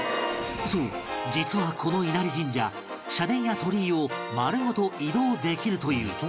そう実はこの稲荷神社社殿や鳥居を丸ごと移動できるという